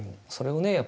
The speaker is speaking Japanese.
それをね